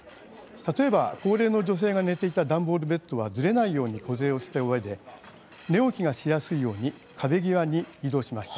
例えば、高齢の女性が寝ていた段ボールベッドはずれないように固定をしたうえで寝起きがしやすいように壁際に移動しました。